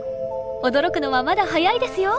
驚くのはまだ早いですよ！